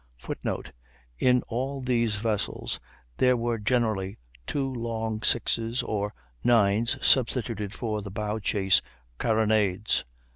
[Footnote: In all these vessels there were generally two long 6's or 9's substituted for the bow chase carronades.